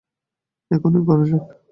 এখনই করা যাক।